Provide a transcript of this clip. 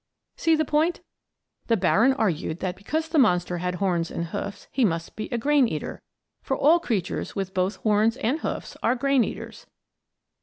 See the point? The baron argued that because the monster had horns and hoofs he must be a grain eater; for all creatures with both horns and hoofs are grain eaters.